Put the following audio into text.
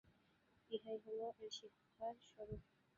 ইহাই হইল এই শিক্ষার স্বরূপ।